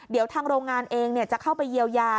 เดี๋ยวทางโรงงานเองจะเข้าไปเยียวยา